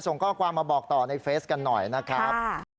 ส่งข้อความมาบอกต่อในเฟซกันหน่อยนะครับ